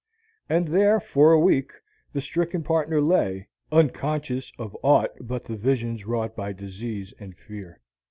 And there, for a week, the stricken partner lay, unconscious of aught but the visions wrought by disease and fear.